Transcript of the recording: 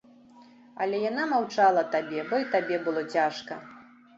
Але яна маўчала табе, бо і табе было цяжка.